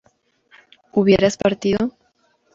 ¿hubieras partido?